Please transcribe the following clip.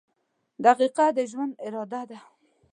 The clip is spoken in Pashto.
• دقیقه د ژوند اراده ده.